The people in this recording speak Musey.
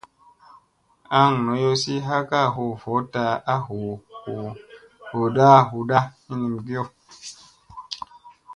Aŋ noyozi ha ka huu vutta a hu da.